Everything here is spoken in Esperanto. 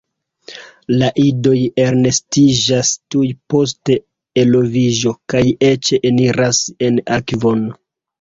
La idoj elnestiĝas tuj post eloviĝo kaj eĉ eniras en akvon.